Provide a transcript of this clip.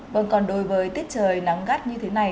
vâng còn đối với tiết trời nắng gắt như thế này